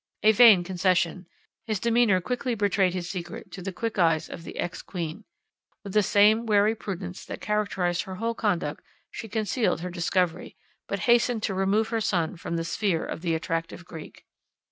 A vain concession; his demeanour quickly betrayed his secret to the quick eyes of the ex queen. With the same wary prudence that characterized her whole conduct, she concealed her discovery, but hastened to remove her son from the sphere of the attractive Greek.